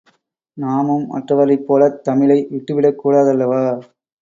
நாமும் மற்றவரைப் போலத் தமிழை விட்டு விடக் கூடாதல்லவா?